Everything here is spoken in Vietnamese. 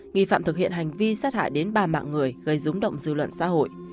nghi phạm thực hiện hành vi sát hại đến ba mạng người gây rúng động dư luận xã hội